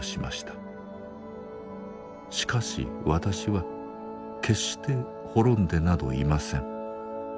しかし私は決して滅んでなどいません。